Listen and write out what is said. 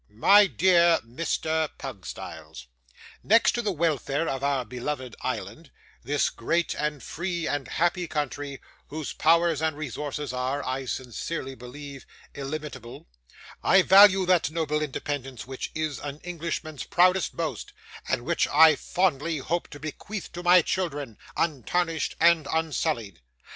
'MY DEAR MR PUGSTYLES, 'Next to the welfare of our beloved island this great and free and happy country, whose powers and resources are, I sincerely believe, illimitable I value that noble independence which is an Englishman's proudest boast, and which I fondly hope to bequeath to my children, untarnished and unsullied.